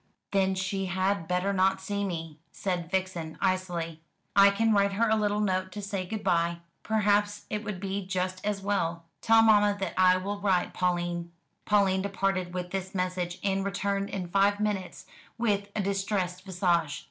"Then she had better not see me," said Vixen icily; "I can write her a little note to say good bye. Perhaps it would be just as well. Tell mamma that I will write, Pauline." Pauline departed with this message, and returned in five minutes with a distressed visage.